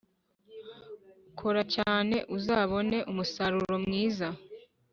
Kora cyane uzabone umusaruro mwiza